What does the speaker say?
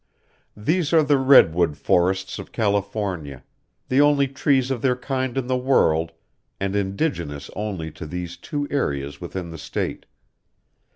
These are the redwood forests of California, the only trees of their kind in the world and indigenous only to these two areas within the State.